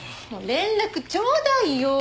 連絡ちょうだいよ。